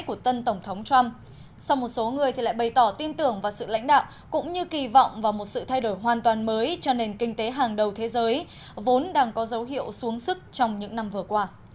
trong một số người lại bày tỏ tin tưởng vào sự lãnh đạo cũng như kỳ vọng vào một sự thay đổi hoàn toàn mới cho nền kinh tế hàng đầu thế giới vốn đang có dấu hiệu xuống sức trong những năm vừa qua